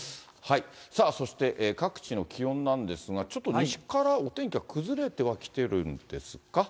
さあ、そして各地の気温なんですが、ちょっと西からお天気が崩れてはきてるんですか。